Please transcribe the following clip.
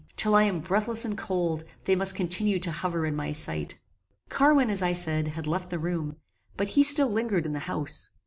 Till I am breathless and cold, they must continue to hover in my sight. Carwin, as I said, had left the room, but he still lingered in the house.